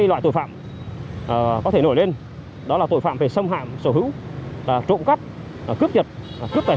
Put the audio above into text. loại tội phạm có thể nổi lên đó là tội phạm về xâm hạm sở hữu và trộm cắp và cướp dịch cướp tài